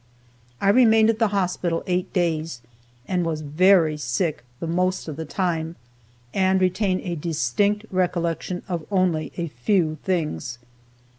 I remained at the hospital eight days, and was very sick the most of the time, and retain a distinct recollection of only a few things.